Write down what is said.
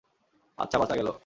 আচ্ছা, বাঁচা গেল!